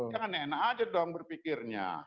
jangan enak aja dong berpikirnya